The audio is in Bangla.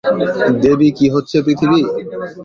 দেবী কি হচ্ছে পৃথিবী।